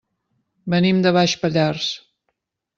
Venim de Baix Pallars.